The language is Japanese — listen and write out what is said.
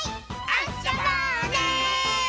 あそぼうね！